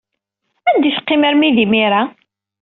Anda ay teqqimeḍ armi d imir-a?